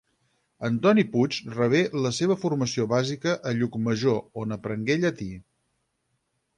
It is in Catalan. Antoni Puig rebé la seva formació bàsica a Llucmajor on aprengué llatí.